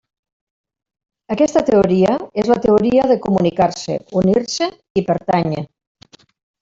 Aquesta teoria és la Teoria de Comunicar-se, Unir-se i Pertànyer.